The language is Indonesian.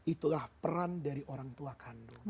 itulah peran dari orang tua kandung